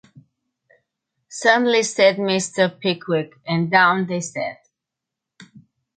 ‘Certainly’ said Mr. Pickwick; and down they sat.